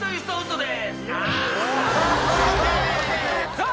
さあ